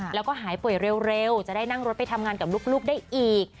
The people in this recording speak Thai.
แล้วก็หายป่วยเร็วจะได้นั่งรถไปทำงานกับลูกได้อีก